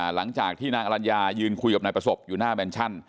หลังจากที่นางอรัญญายืนคุยกับนายประสบอยู่หน้าแมนชั่น